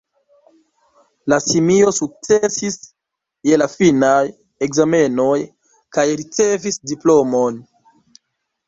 La simio sukcesis je la finaj ekzamenoj, kaj ricevis diplomon.